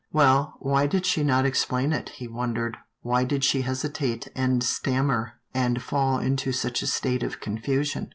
Well, why did she not explain it, he wondered. Why did she hesitate, and stammer, and fall into such a state of confusion?